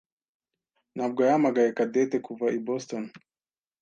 ntabwo yahamagaye Cadette kuva i Boston.